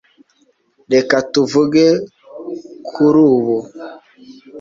Reka tuvuge kuri ubu